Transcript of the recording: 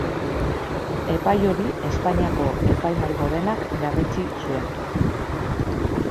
Epai hori Espainiako Epaimahai Gorenak berretsi zuen.